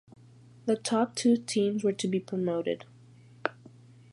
The top two teams were to be promoted.